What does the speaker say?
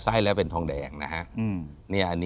ให้แล้วเป็นทองแดงนะฮะ